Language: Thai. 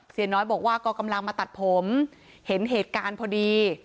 เสียน้อยบอกว่าก็กำลังมาตัดผมเห็นเหตุการณ์พอดี